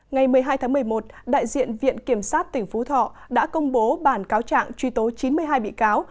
ngày một mươi hai tháng một mươi một đại diện viện kiểm sát tỉnh phú thọ đã công bố bản cáo trạng truy tố chín mươi hai bị cáo